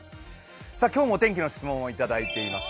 今日もお天気の質問をいただいています。